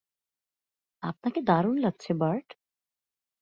আপনাকে দারুণ লাগছে, বার্ট।